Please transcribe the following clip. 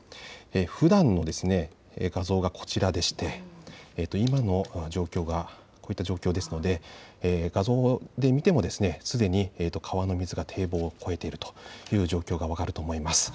ふだんの画像がこちらでして今の状況がこういった状況ですので画像で見てもすでに川の水が堤防を越えているという状況が分かると思います。